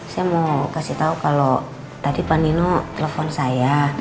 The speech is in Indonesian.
saya mau kasih tahu kalau tadi pak nino telepon saya